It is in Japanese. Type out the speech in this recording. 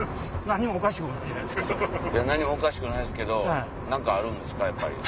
何もおかしくないですけど何かあるんですか？